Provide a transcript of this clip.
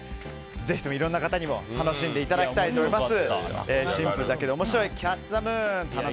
ぜひともいろんな方にも楽しんでいただきたいと思います。